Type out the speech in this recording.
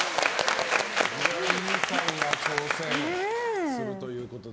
裕美さんが挑戦するということで。